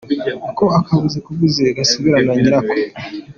Ko akabuze ubuguzi gasubirana nyirako ?”